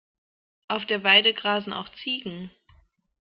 Auf der Weide grasen auch Ziegen.